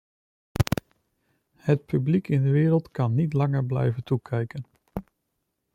Het publiek in de wereld kan niet langer blijven toekijken.